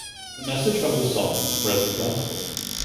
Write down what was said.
The message of the song spreads the gospel.